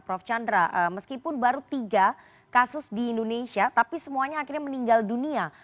prof chandra meskipun baru tiga kasus di indonesia tapi semuanya akhirnya meninggal dunia